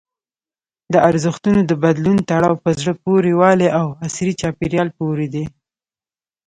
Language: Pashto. د ارزښتونو د بدلون تړاو په زړه پورې والي او عصري چاپېریال پورې دی.